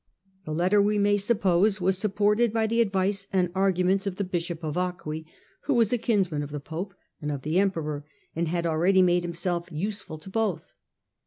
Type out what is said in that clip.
The letter, we may suppose, was supported by the advice and arguments of the bishop of Acqui, who was a kinsman of the pope and of the emperor, and had already made himself useful to both.